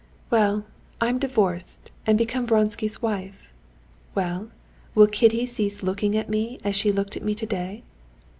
"Well, I'm divorced, and become Vronsky's wife. Well, will Kitty cease looking at me as she looked at me today?